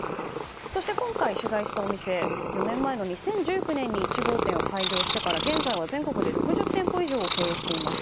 そして今回取材したお店４年前の２０１９年に１号店を開業してからは現在は全国で６０店舗以上を経営しています。